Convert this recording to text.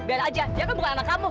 biar aja dia kan bukan anak kamu